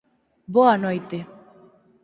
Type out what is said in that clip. Boa noite.